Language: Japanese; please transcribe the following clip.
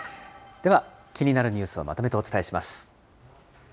では、気になるニュースをまとめてお伝えします。